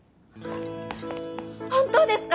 本当ですか？